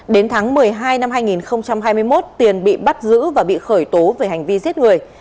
đến tháng một mươi hai năm hai nghìn hai mươi một tiền bị bắt giữ và bị khởi tố về hành vi giết người